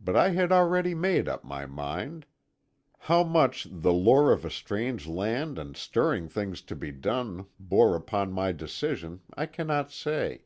But I had already made up my mind. How much the lure of a strange land and stirring things to be done bore upon my decision I cannot say.